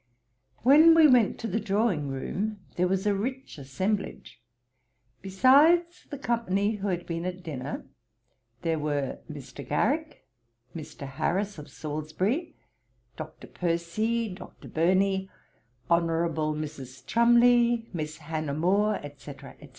When we went to the drawing room there was a rich assemblage. Besides the company who had been at dinner, there were Mr. Garrick, Mr. Harris of Salisbury, Dr. Percy, Dr. Burney, Honourable Mrs. Cholmondeley, Miss Hannah More, &c.